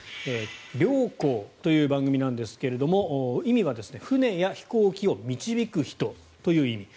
「領航」という番組なんですが意味は船や飛行機を導く人という意味。